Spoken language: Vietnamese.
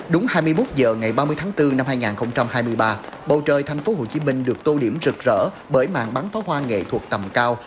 đúng hai mươi một h ngày ba mươi tháng bốn năm hai nghìn hai mươi ba bầu trời thành phố hồ chí minh được tô điểm rực rỡ bởi màn bắn pháo hoa nghệ thuật tầm cao